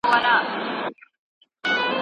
د اوبو لوښي باید سرپوښ ولري.